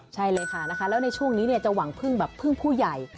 ใช่เลยค่ะนะคะแล้วในช่วงนี้เนี่ยจะหวังพึ่งผู้ใหญ่